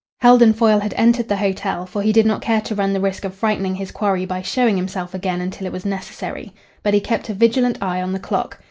Heldon Foyle had entered the hotel, for he did not care to run the risk of frightening his quarry by showing himself again until it was necessary. But he kept a vigilant eye on the clock.